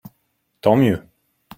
Tant mieux.